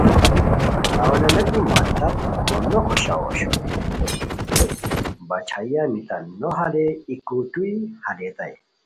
اوّلانیتی مو تت مو نو خوشئیاؤ اوشوئے، باچھائیہ میتان نو ہالئے ای کوٹوئی ہالئیتائے